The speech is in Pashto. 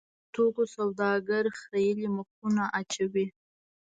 د دغو توکو سوداګر خریېلي مخونه اچوي.